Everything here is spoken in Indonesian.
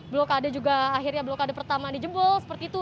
blokade juga akhirnya blokade pertama dijebol seperti itu